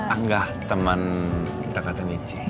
angga teman dekat nici